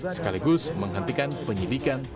sekaligus menghentikan penyidikan tersebut